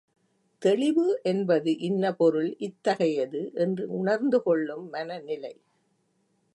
தெளிவு என்பது இன்ன பொருள் இத்தகையது என்று உணர்ந்துகொள்ளும் மனநிலை.